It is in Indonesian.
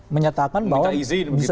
menyatakan bahwa bisa